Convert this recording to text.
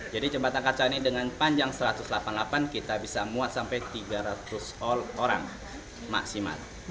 jadi jembatan kaca ini dengan panjang satu ratus delapan puluh delapan kita bisa muat sampai tiga ratus orang maksimal